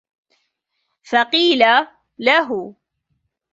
فَقِيلَ لَهُ